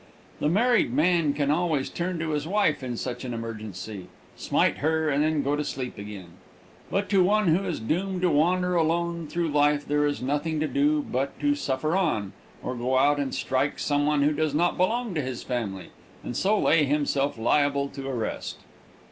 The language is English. The married man can always turn to his wife in such an emergency, smite her and then go to sleep again, but to one who is doomed to wander alone through life there is nothing to do but to suffer on, or go out and strike some one who does not belong to his family, and so lay himself liable to arrest.